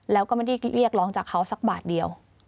แล้วก็ไม่ได้เรียกร้องจากเขาสักบาทเดียว